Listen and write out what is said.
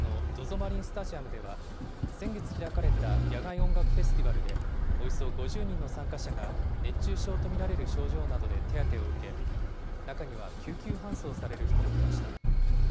マリンスタジアムでは、先月開かれた野外音楽フェスティバルで、およそ５０人の参加者が熱中症と見られる症状などで手当てを受け、中には救急搬送される人も出ました。